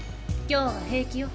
今日は平気よ。